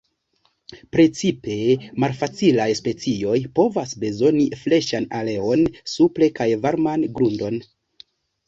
Precipe malfacilaj specioj povas bezoni freŝan aeron supre kaj varman grundon.